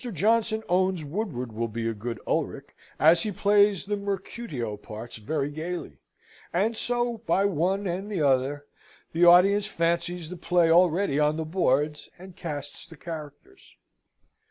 Johnson owns Woodward will be a good Ulric, as he plays the Mercutio parts very gaily; and so, by one and t'other, the audience fancies the play already on the boards, and casts the characters.